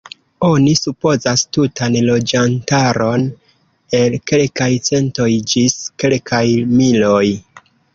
Oni supozas tutan loĝantaron el kelkaj centoj ĝis kelkaj miloj.